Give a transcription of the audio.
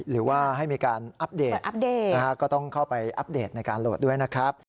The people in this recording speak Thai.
หรือว่าให้มีการอัปเดตอัปเดตก็ต้องเข้าไปอัปเดตในการโหลดด้วยนะครับ